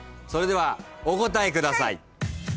それではお答えください。